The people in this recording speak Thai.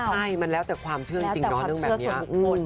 ใช่มันแล้วแต่ความเชื่อจริงเนาะเรื่องแบบนี้